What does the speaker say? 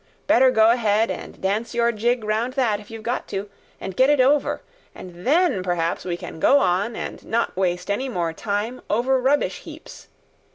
Better go ahead and dance your jig round that if you've got to, and get it over, and then perhaps we can go on and not waste any more time over rubbish heaps.